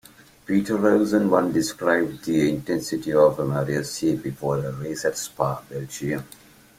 Peter Revson once described the intensity of Mairesse before a race at Spa, Belgium.